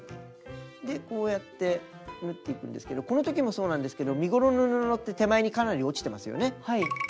こうやって縫っていくんですけどこのときもそうなんですけど身ごろの布って手前にかなり落ちてますよね。